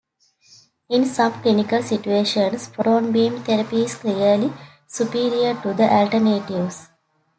In some clinical situations, proton beam therapy is clearly superior to the alternatives.